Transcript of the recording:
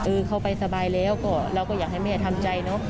เข้าไปสบายแล้วก็เราก็อยากให้แม่ทำใจเนอะ